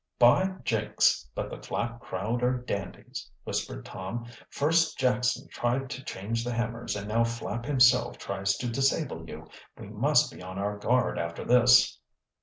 "By Jinks! but the Flapp crowd are dandies!" whispered Tom. "First Jackson tried to change the hammers and now Flapp himself tries to disable you. We must be on our guard after this."